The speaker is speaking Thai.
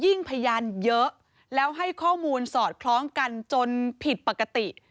พยานเยอะแล้วให้ข้อมูลสอดคล้องกันจนผิดปกติ